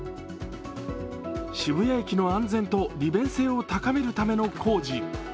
渋谷駅の安全と利便性を高めるための工事。